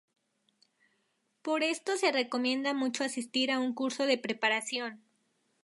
Por esto se recomienda mucho asistir a un curso de preparación.